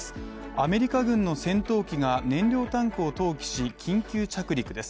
アメリカ軍の戦闘機が燃料タンクを投棄し緊急着陸です。